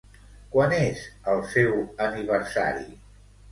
Quan és el seu aniversari?